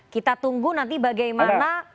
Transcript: kita tunggu nanti bagaimana